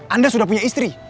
anda sudah punya istri